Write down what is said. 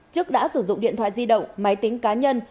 chức đã sử dụng điện thoại di động máy tính cá nhân